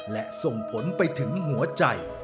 และส่งผลไปถึงหัวใจ